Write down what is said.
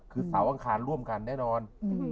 คือเสาร์อังคารร่วมกันแน่นอน